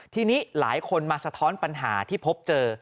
ทีนี้หลายคนมาสะท้อนปัญหาที่พบเจอ